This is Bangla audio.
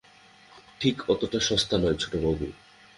ঠিক অতটা সস্তা নই ছোটবাবু।